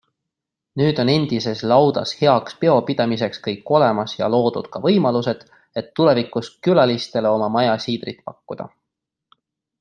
Nüüd on endises laudas heaks peopidamiseks kõik olemas ja loodud ka võimalused, et tulevikus külalistele oma maja siidrit pakkuda.